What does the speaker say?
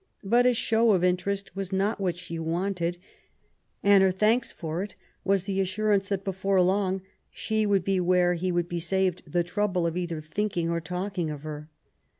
But a show of interest was not what she*wanted, and her thanks for it was the assurance that before long she would be where he would be saved the trouble of cither thinking or talking of her.